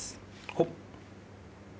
ほっ。